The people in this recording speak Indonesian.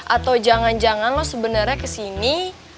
atau jangan jangan lo sebenarnya kesini